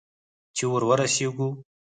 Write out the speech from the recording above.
چې ور ورسېږو؟